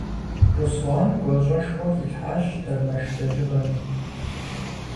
Руслан гуащӀэшхуэ хилъхьащ тэрмэш лэжьыгъэми.